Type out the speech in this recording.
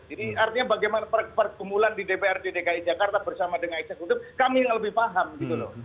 jadi artinya bagaimana pergumulan di dprd dki jakarta bersama dengan ijk kuntup kami yang lebih paham gitu loh